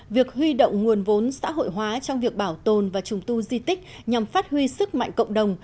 việc huy động nguồn vốn xã hội hóa trong việc bảo tồn và trùng tu di tích nhằm phát huy sức mạnh cộng đồng